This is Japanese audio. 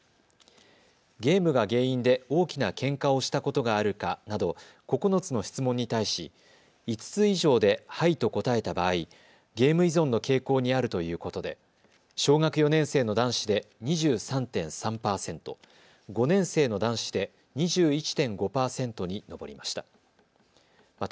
ゲームが原因で大きなけんかをしたことがあるかなど９つの質問に対し５つ以上ではいと答えた場合、ゲーム依存の傾向にあるということで小学４年生の男子で２３．３％、５年生の男子で２１．５％に上りました。